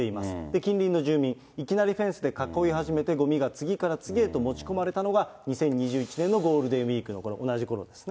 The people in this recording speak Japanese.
近隣の住民、いきなりフェンスで囲い始めて、ごみが次から次へと持ち込まれたのが２０２１年のゴールデンウィークのころ、同じころですね。